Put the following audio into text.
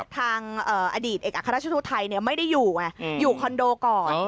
ทางอดีตเอกอัครราชทูตไทยไม่ได้อยู่ไงอยู่คอนโดก่อน